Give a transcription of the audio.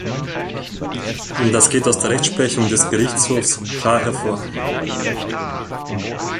Das geht aus der Rechtsprechung des Gerichtshofs klar hervor.